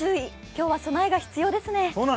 今日は備えが必要ですね。